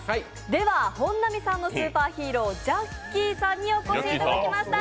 では、本並さんのスーパーヒーロージャッキーさんにお越しいただきました。